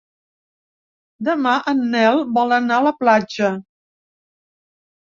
Demà en Nel vol anar a la platja.